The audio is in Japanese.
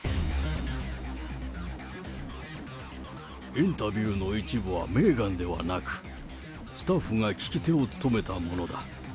インタビューの一部はメーガンではなく、スタッフが聞き手を務めたものだ。